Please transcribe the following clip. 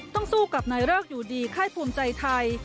สู้กับนายเริกอยู่ดีค่ายภูมิใจไทย